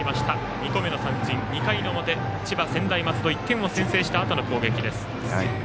２個目の三振、２回の表千葉・専大松戸１点を先制したあとの攻撃です。